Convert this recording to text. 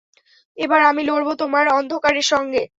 এবার আমি লড়ব তোমার অন্ধকারের সঙ্গে।